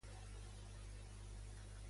Què conformava el llinatge de Dan?